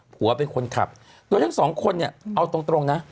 หัวเป็นคนขับโดยทั้งสองคนเนี่ยเอาตรงนะ